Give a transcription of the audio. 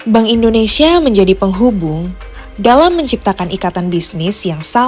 bank indonesia menjadi penghubung dalam menciptakan ikatan bisnis yang sama